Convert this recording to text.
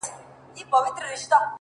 وموږ تې سپكاوى كاوه زموږ عزت يې اخيست ـ